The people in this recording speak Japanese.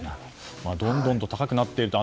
どんどんと高くなっていると。